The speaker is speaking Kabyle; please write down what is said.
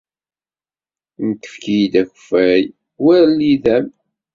Nekk efk-iyi-d akeffay war lidam.